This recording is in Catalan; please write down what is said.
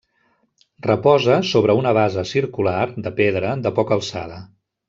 Reposa sobre una base circular, de pedra, de poca alçada.